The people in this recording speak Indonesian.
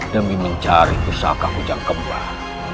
demi mencari pusaka hujan kembar